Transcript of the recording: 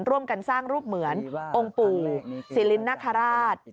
ร่วมกันสร้างรูปเหมือนองค์ปู่ศิรินนคราช